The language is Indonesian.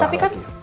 ya tapi kan